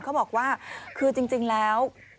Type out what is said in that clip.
เขาบอกว่าคือจริงแล้ว